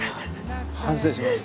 反省します。